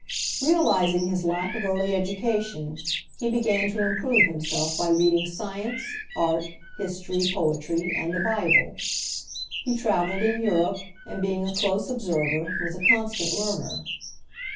Realizing his lack of early education, he began to improve himself by reading science, art, history, poetry, and the Bible. He travelled in Europe, and being a close observer, was a constant learner.